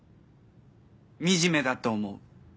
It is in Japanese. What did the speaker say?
惨めだと思う。